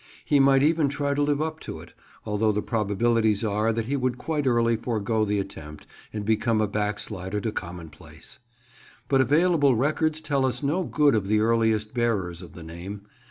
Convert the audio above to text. He might even try to live up to it, although the probabilities are that he would quite early forgo the attempt and become a backslider to commonplace. But available records tell us no good of the earliest bearers of the name.